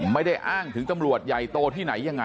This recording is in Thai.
ไม่ได้อ้างถึงตำรวจใหญ่โตที่ไหนยังไง